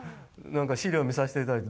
資料、見させていただいて。